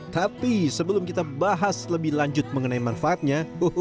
tapi sebelum kita bahas lebih lanjut mengenai manfaatnya